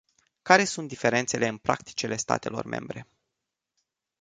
Care sunt diferențele în practicile statelor membre?